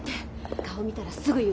顔見たらすぐ言うのよ